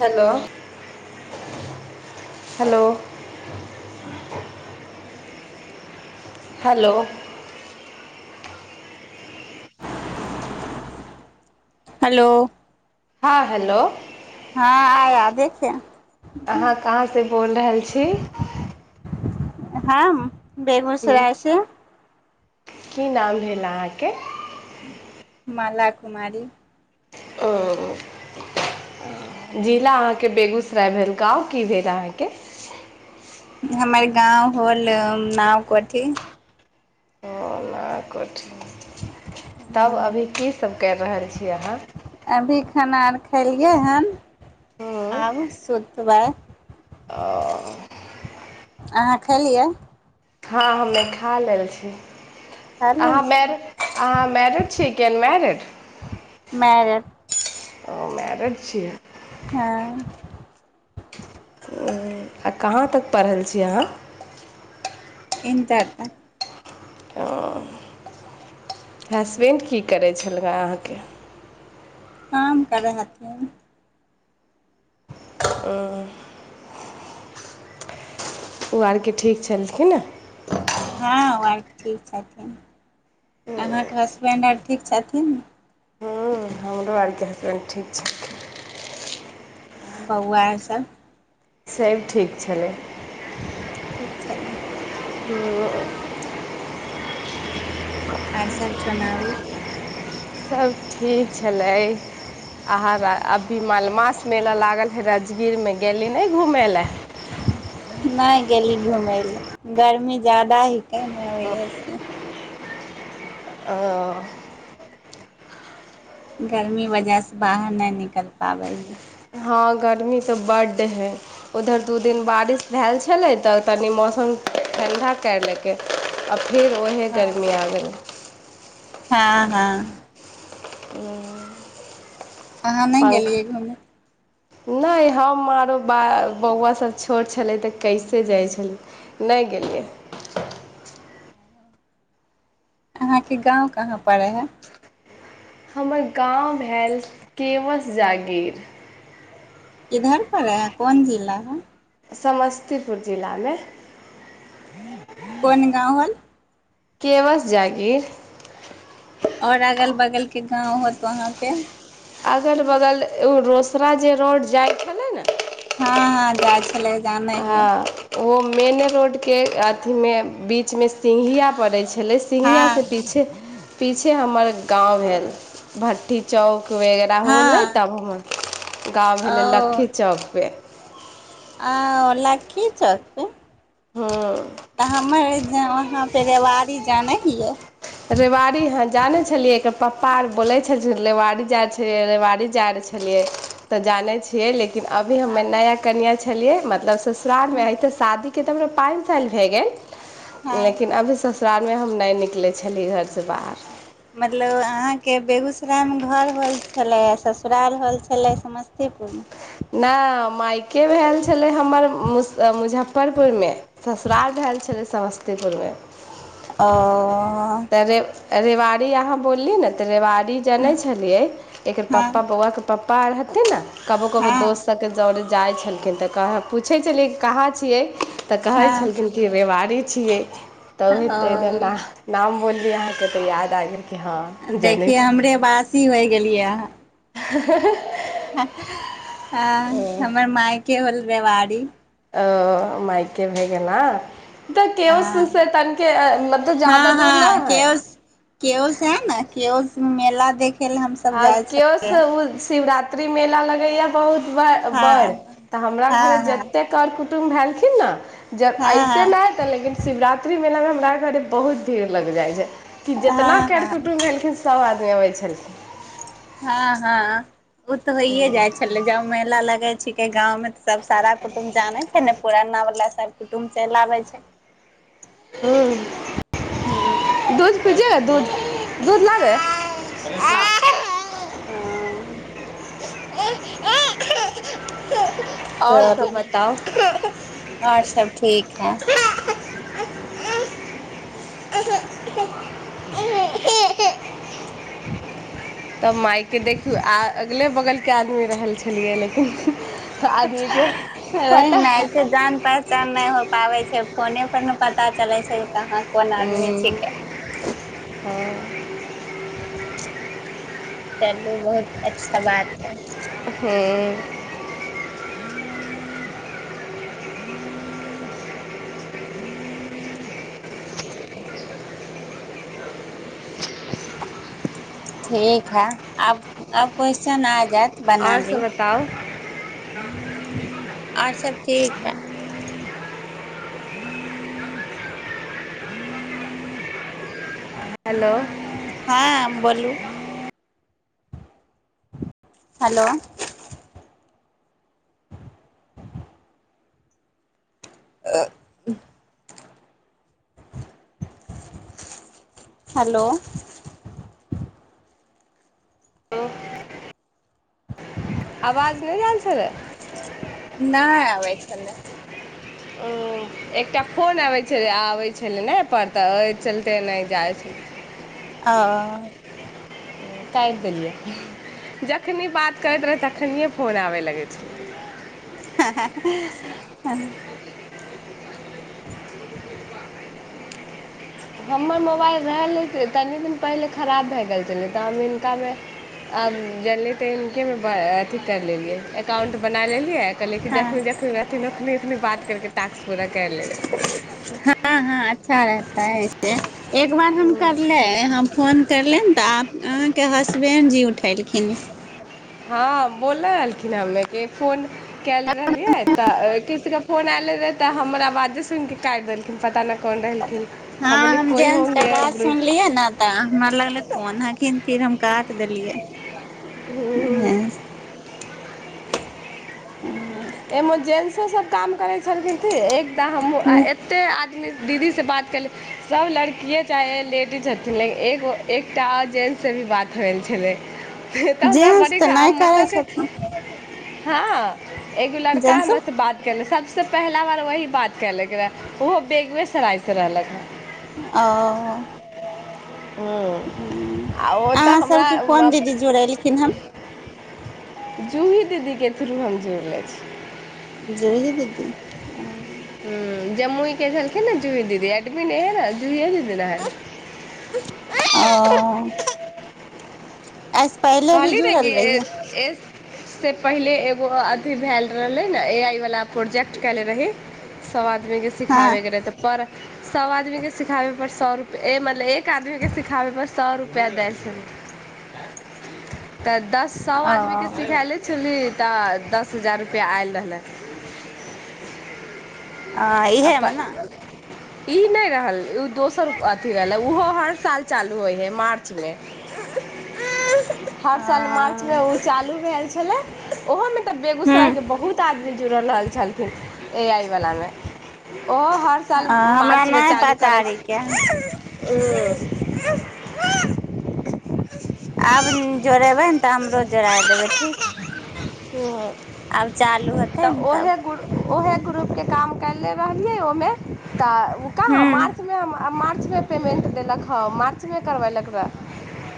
hello hello hello hello हँ hello हँ आया देखे अहाँ कहाँ से बोल रहल छी हम हूँ बेगूसरायसँ की नाम भेल अहाँके माला कुमारी ओ जिला अहाँके बेगूसराय भेल गाँव की भेल अहाँके हमर गाँव होल नाव कोठी आ क तब अभी की सब करि रहल छी अहाँ अभी खाना अर खेलियै हन ओ आब सुतबै अहाँ खयलियै हँ हमे खा लेल छी खा लेल अहाँ मै छियै अहाँ मैरिड छीयै कि अनमरिड मैरेड ओ मैरेड छिय आँ आ कहाँ तक पढ़ल छी अहाँ इंटर तक ओ हसबैंड की करै छलै अहाँके काम करै हथिन हुँ ओ आरके ठीक छलखिन हँ आर ठीक छथिन अहाँके हसबैंड आर ठीक छथिन हँ हमरो आरके हसबैंड ठीक छ बौआरसभ सभ ठीक छलै ठीक छै हुँ आर सभ सुनाबू सभ ठीक छलै अहाँ अभी मालमास मेला लागल हइ राजगीरमे गेली ने घूमय लए नहि गेली घुमै लऽ गर्मी जादा ही क नहि हो छै आ गरमीक वजहसँ बाहर नहि निकलि पाबै हए हँ गर्मी तऽ बड्ड है उधर दू दिन बारिश भेल छलै तऽ तनि मौसम ठण्डा कर लेलकै फिर ओएहे गरमी हँ आ गेलै हँ हँ अहाँ नहि पंखा गेलियै घूमय नहि हम आरो ब बौआसभ छोट छलै तऽ कैसे जाइ छलै नहि गेलियै अहाँके गाँव कहाँ पड़ै हइ हमर गाँव भेल केवस जागीर इधर पर है कोन जिला है समस्तीपुर जिलामे कोन गाँव होल केवश जाागीर आओर अगल बगलके गाँव होत वहाँपे अगल बगल एगो रोसड़ा जे रोड जाइ छलै ने हँ हँ जा छै गामे हिया ओहो मेन रोडके अथीमे बीचमे सिङघिया पड़ै छै छलै हँ सिङ्गियासँ पीछे पीछे हमर गाँव भेल भट्ठी चौक वगैरह होलै हँ तब वुँ गाँव भेलै ओ लक्खी चौकपर आ ओ लख्खी चौक पे हुँ तऽ हमर वहाँ पे रेवारी जानै हियै रेवाड़ी हहाँ जानै छलियै एकर पप्पा आर बोलै छलखिन रेवाड़ी जाइ छलियै रेवाड़ी जाइ छलियै तऽ जानै छियै लेकिन लेकिन अभी हमे हँ नया कनिय छ छलियै मतलब ससुरालमे अ तऽ शादीके तऽ हमरा पाँच साल भए गेल हँ लेकिन अभी ससु बाद मे हम नै निकले छली घरसँ बाहर मतलब अहाँके बेगूसरायमे घर होल छलै ससुराल होल छलै समस्तीपुरमे नहि मायके भेल छलै हमर मुजफ्फरपुरमे ससुराल भेल छलै समस्तीपुरमे ओ तऽ रे रेवाड़ी यहाँ बोली न ने ते रेवारी जाने छलियै एकर हँ पापा बौआ के पप्पा पार हतै ने कबो कब हँ दौड़ जाइ छलखिन तऽ पूछै छलियै कहाँ छियै तऽ कहै हँ छलखिन कि रेवारी छियै तौ होतै ने ओ नाम बोल फी अहाँके तऽ याद आय गेल जनै देखियै छी हमरे बासी होइ गेलियै [inaudible] ह हाँ आ ओ हमर माय के होल रेवाड़ी माइके भए गेल ना ह तऽ के ओश हँ से तनिके मतलब जादा हँ दूर न हँ है केओस ला दिक आ के्यओ शिवरात्र राती मेला लगैएा बहुत क बढ़ हँ तऽ हमरा घरे हँ हँ जतेक कर कु त भेललखिन ने जब हँ ऐसे मे है त लेकिन शिवरात्रि मेलामे खा घरे बहुत भीड़ लग जाइ छै कि हँ जेितना हँ कर हँ कुटुम्ब एलखिन सभ आदमी ब अबै छलखिन हँ हँ ओ तऽ होइये जाइ छले जब महिेला लग छिके गाँवं तऽ सब सारा कुटुम्ब जानै छै ने पुराना वाला सब कुटुम्ब चलि आबै छै ह हूँ दूध पज दूध दूध ल ले ह आ आ च अचर्छा ठीक है [unintelligible] तऽ मायके देखियौ आ अगले बगलके आदमी रहल छलियै लेकिन आदमीके ओ पता नहि हूँ से जान पाच नहि हो पाबै छै फोने पर ने पता चलै छै कहाँ कोन आदमी छिकै आओर चलू बहुत अच्छा बात है ह [unintelligible] ठीक है अब अब क्वेश्चन आ जायत बना ली आ आचर सभ ठीक हइ हेलो हँ बोलू हेलो आ हेलो आवाज नहि जल छलै नहि आबै छलै ओ एकटा फोन आबै छल आबै छलै ने पर तऽ ओहि चलते नहि जाइ छल ओ कटि देलियै जखनि बात करैत रहै तखनिए फोन आबय लगै छै ह हमर मोबाइल रहलै तनि दिन पहिले खराब भए गेल छलै तऽ हम हिनकामेब जियै तऽ हिनकेमे अथी कर लेलियै एकाउंट बना लेलियै जखनी जखन रहथिनखने उने बात करके ास्क पूरा क ले हाँ अच्छा रहता एक बार हम करले हम फोन करले तऽ के हसबैण्ड जी उठेलखिन हँ बोलल रहललखिन हमे के फोन कल रहल लिय तऽ ा फोन आयलै रहै तऽ हमरा बाजे सुनिके काटि देलखिन पता नहि कोन रहलखिन हँ बोललियै हम कोइ जेंटस के होंगे बात ग्रुप सुनलियै ने तऽ हमर लगले कोन हखिन फिर हम काट देलियै हँ से सब काम करै छलखिन से हमहुँ एते दीदीसँ बात कली सभ लड़किए चाहे लेडीज छथिन लेकिन एगो एकटा आर जेन्ट्ससँ भी बात होइल छलै से तऽ हमरा जेंस बड़ी तऽ नहि करै मतलब कि छथिन हँ एगो लड़का जेंट्स हमरा ते बात करले सबस सबसँ पहिला बार वएही बात कलक रहै ओहो बेगबेसरायसँ रहलक रहऽ ओ हँ ह्म्म आ ओ अहाँ तऽ सभके कोन हमरा दीदी जुड़लखिन हन जूही दीदीके थ्रू हम जुड़ले छी जूही दीदी ह जम्मू के छललखे ने जूही दीदी एडमीने है न जूहिए दीदी न है ओ एहिसँ पहिले भी कहली नहि जुड़ल रहियै की पहिले एगो अथी भेल रहले ने ए आई वाला प्रोजेक्ट केले रहे सबद आदमीके हँ सिखाबैके रहै तऽ पर सभ आदमीके सिखाबै पड़ सए रुपआ मतलब एक आदमीके सिखाबै पर सए रुपआ दै छै पैदस्त सब आदमीके ओ सिखाले छली तऽ दश हजार रुपैआ आयल रहलै आ इहे आ म ने ई नहि रहल ओ दोसर अथी रहलै ओहो हर साल चालू होइ हइ मार्चमे हर साल आ मार्च ह ओ चालू भेल छले ओहो में तऽ बेगूसराय हूँ के बहुत आदमी जुड़ल रहल छलखिन एहि आइ वलामे ओहो हर साल आ हमरा मार्चमे नहि चालू पता करै आरीके छै [unintelligible] आब जोड़ेबै ने तऽ हमरो जोड़ए देबै ठीक आब चालू होतै ने तब ओएहे ग्रुपके काम काल्हिे रहलियै ओहिमे तऽ कहाँ हूँ मार्च मे आ मार्चमे पेमेन्ट देलक हँ मार्चमे करबेलक रहऽ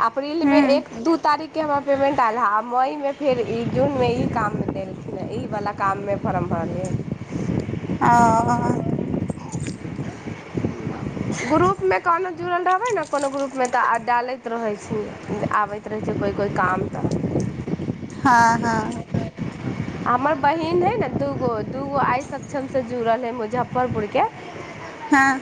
आ अप्रैल मे हूँ एक दू तारीख ी हमरा पेमेन्ट आयल हँ आ मइमे फेर ई जूनमे ई काम देलखिन ह ई वलाा काममे फरम भरै ओ [inaudible] ग्रुपमे कोनो जुड़ल रहबै ने कोनो ग्रुपमे तऽ आ डालैत रहै छी आबैत रहै छै कोइ कोइ काम तऽ हँ हँ हमर बहीन हइ ने दूगो दूगो आइ सक्षमसँ जुड़ल हइ मुजफ्फरपुरके हँ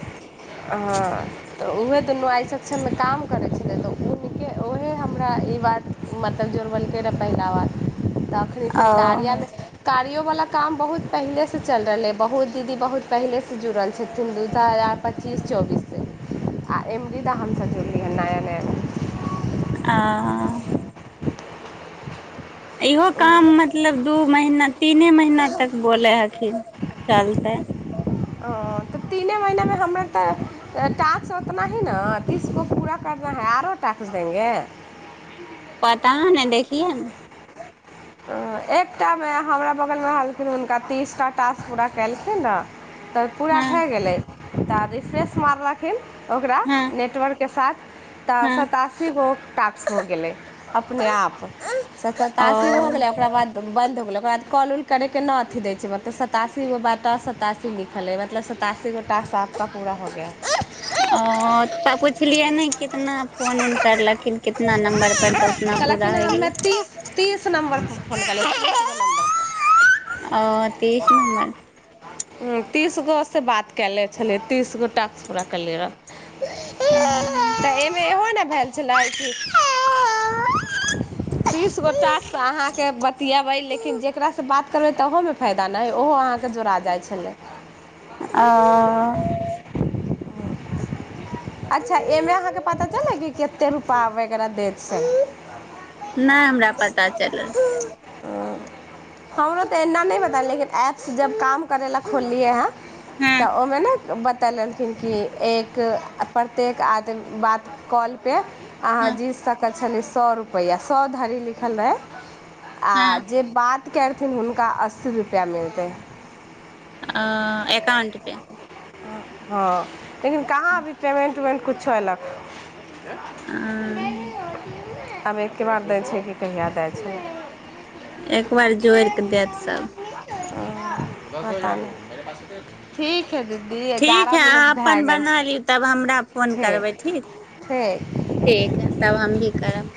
हँ तऽ उएहे तऽ नुआइ सक्षममे काम करै छलै तऽे ओहे हमरा ई बात मतलब जुड़बेलकै रहऽ पहिला बात तखन ओ तियमे तियोवला काम बहुत पहिलेसँ चल रहलै बहुत दीदी बहुत पहिलेसँ जुड़ल छथिन दू हजार पच्चीस चौबीससँ आ एमरीदा हमसब जुड़लियै हँ नया नयााम आ इहो काम नयामे मतलब दू एक महीना तीने महीना तक बोले हखिन चलतै तऽ तीने महीनामे हमरा तऽ टास्क ओतना ही न तीसको पूरा करना है आरो ट्क द देंगे पता नहि देखियए ने एकटामे हमरा बगलमे रहलखिन हुनका तीसटा टास्क पूरा केलखिन रह तऽ पूरा हँ भए गेलै त रिफ्रेश मार राखे ओकरा हँ नेटवर्कके साथ तऽ हँ सतासी गो टाक्स हो गेलै अपने आप सस तास क ओ गेलैक ब ब ओक बाद कॉल उल करैके नहि अथी दै छै मतलब सतासी गो बटा सतासी लिखल है मतलब सतासी गो टास्क आपक पूरा हो गेल ओ पुछलियै ने कितना फोन उऊन करलखिन कितना नम्बरपर तऽ उतना पूरा होय गेलै नम्र फो ओ तेस नम्बर तीस गो से बात कए लने छलियै तीस गो टक्स पूरा कियै रहए त इहो ने भेल छल द गोटाास अहाँके बतिएबै लेकिन जकरासँ बात करबै तहूमे फायदा नहि हइ ओहो अहाँके जोड़ा जाइ छलै आ अच्छा एहिमे अहाँके पता चलै कि कते रुपआ वगैरह देत से नहि हमरा पता चलल हमरो तऽ एना नहि पता लेकिन एऐपस जब काम करै लए खोललियै हँ तऽ हँ ओहिमे ने बत त कहलखिन कि एक प्रत्येक आदमी बात कॉलपर अहाँ हँ जे सकत छलै सए रुपैआ सए धरि लिखल रहै आ हँ जे बात करथिन हुनका अस्सी रुपैआ मिलतै आ एकाउंट पे हँ लेकिन कहाँ भी पेमन्ट वन्ट किछोलक आब एकके बार दै छै कि कहिया दै छै एक बार जोरके देत सब भ [inaudible] ठीक हइ दीदी ठीक एगारह हइ अहाँ मिनट भए अपन गेल बना छै लिउ तब हमरा फोन करबै ठीक ठीक ठीक हइ तब हम भी करब